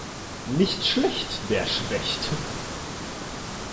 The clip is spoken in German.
Nicht schlecht der Specht!